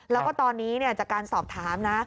แล้วก็ตอนนี้จากการสอบถามนะ